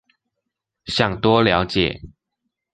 想多了解